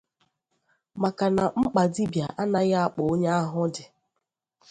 maka na mkpà dibịa a naghị akpà onye ahụ dị.